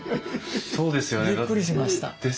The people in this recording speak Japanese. びっくりしました。